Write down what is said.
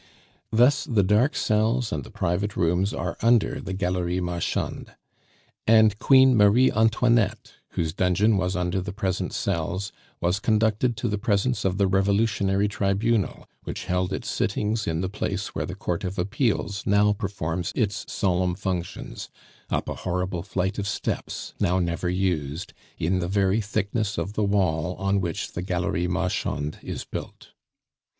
Thus the dark cells and the private rooms are under the Galerie Marchande. And Queen Marie Antoinette, whose dungeon was under the present cells, was conducted to the presence of the Revolutionary Tribunal, which held its sittings in the place where the Court of Appeals now performs its solemn functions, up a horrible flight of steps, now never used, in the very thickness of the wall on which the Galerie Marchande is built.